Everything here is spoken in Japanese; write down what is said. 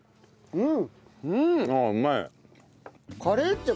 うん。